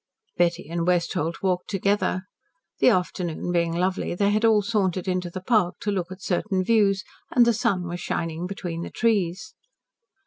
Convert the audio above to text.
Betty and Westholt walked together. The afternoon being lovely, they had all sauntered into the park to look at certain views, and the sun was shining between the trees.